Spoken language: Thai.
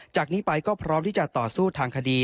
จากนี้ไปก็พร้อมที่จะต่อสู้ทางคดี